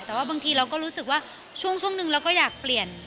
แต่ว่าบางทีเราก็รู้สึกว่าช่วงหนึ่งเราก็อยากเปลี่ยน